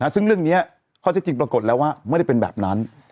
ซึ่งเรื่องนี้ข้อเท็จจริงปรากฏแล้วว่าไม่ได้เป็นแบบนั้น